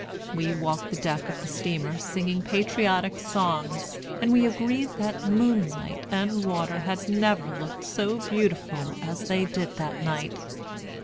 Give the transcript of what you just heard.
We walked the deck of the steamer singing patriotic songs, and we agreed that moonlight and water had never looked so beautiful as they did that night.